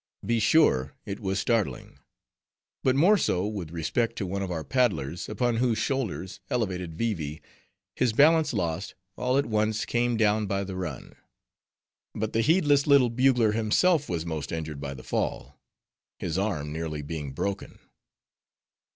Be sure, it was startling. But more so with respect to one of our paddlers, upon whose shoulders, elevated Vee Vee, his balance lost, all at once came down by the run. But the heedless little bugler himself was most injured by the fall; his arm nearly being broken.